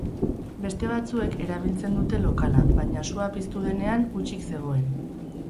Gazte batzuek erabiltzen dute lokala, baina sua piztu denean hutsik zegoen.